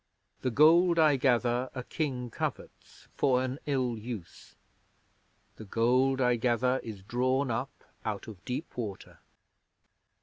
The Gold I gather A King covets For an ill use. The Gold I gather Is drawn up Out of deep Water.